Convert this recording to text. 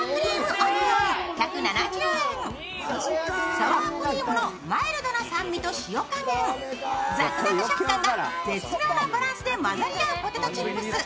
サワークリームのマイルドな酸味と塩加減、ザクザク食感が絶妙なバランスで混ざり合うポテトチップス。